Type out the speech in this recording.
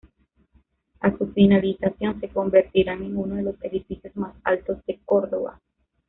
A su finalización se convertirán en uno de los edificios más altos de Córdoba